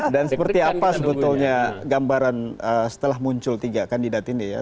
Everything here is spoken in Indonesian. dan seperti apa sebetulnya gambaran setelah muncul tiga kandidat ini ya